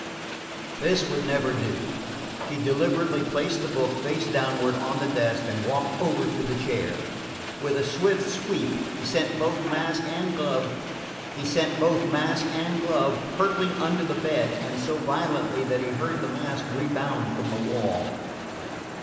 This would never do. He deliberately placed the book face downward on the desk and walked over to the chair. With a swift sweep he sent both mask and glove hurtling under the bed, and so violently that he heard the mask rebound from the wall.